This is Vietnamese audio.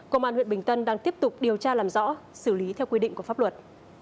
công an huyện bình tân đang tiếp tục điều tra làm rõ xử lý theo quy định của pháp luật